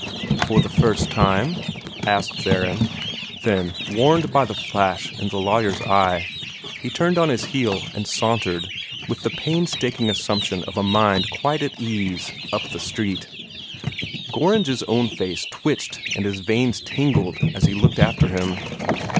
"For the first time?" asked Theron. Then, warned by the flash in the lawyer's eye, he turned on his heel and sauntered, with a painstaking assumption of a mind quite at ease, up the street. Gorringe's own face twitched and his veins tingled as he looked after him.